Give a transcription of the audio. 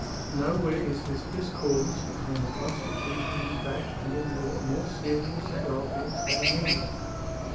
Nowhere is this discordance between the constitution in fact and in law more serious and obvious than in England.